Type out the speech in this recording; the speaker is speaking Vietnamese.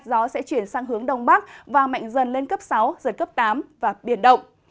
gió sẽ chuyển sang hướng đông bắc và mạnh dần lên cấp sáu giật cấp tám và biển động